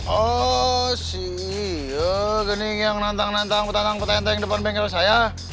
oh si gening yang nantang nantang petenteng depan bengkel saya